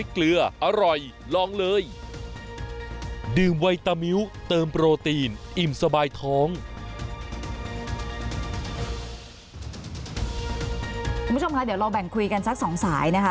คุณผู้ชมคะเดี๋ยวเราแบ่งคุยกันสักสองสายนะคะ